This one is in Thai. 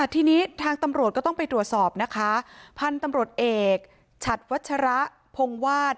ทีนี้ทางตำรวจก็ต้องไปตรวจสอบนะคะพันธุ์ตำรวจเอกฉัดวัชระพงวาส